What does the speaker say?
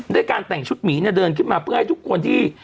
การแต่งชุดหมีเนี่ยเดินขึ้นมาเพื่อให้ทุกคนที่